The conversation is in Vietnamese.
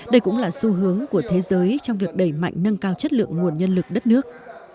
đây cũng là xu hướng của thế giới trong việc đẩy mạnh nâng cao chất lượng nguồn nhân lực đất nước